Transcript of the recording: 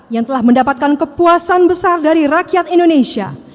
yang telah mendapatkan kepuasan besar dari rakyat indonesia